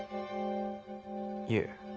いえ。